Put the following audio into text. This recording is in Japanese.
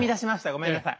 ごめんなさい。